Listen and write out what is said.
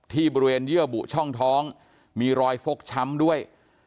ที่บริเวณเยื่อบุช่องท้องมีรอยฟกช้ำด้วย